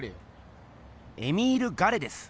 エミール・ガレです。